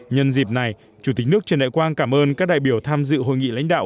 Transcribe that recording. nhân dịp này chủ tịch nước trần đại quang cảm ơn các đại biểu tham dự hội nghị lãnh đạo